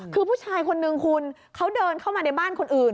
คือผู้ชายคนนึงคุณเขาเดินเข้ามาในบ้านคนอื่น